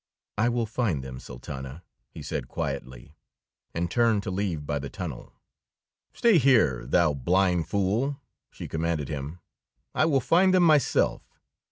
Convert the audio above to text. "I will find them, Sultana," he said quietly, and turned to leave by the tunnel. "Stay here, thou blind fool!" she commanded him. "I will find them myself.